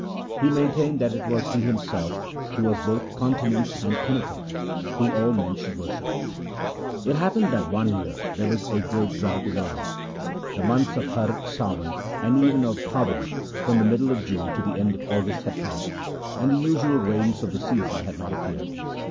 He maintained that it was he himself, who was both continent and a penitent, whom all men should worship. D 2 36 THE SIKH RELIGION It happened that one year there was a great drought in the land. The months of Har, Sawan, and even half of Bhadon — from the middle of June to the end of August — had passed, and the usual rains of the season had not appeared.